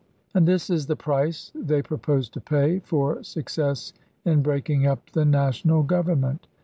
And this is the price they pro pose to pay for success in breaking up the National Government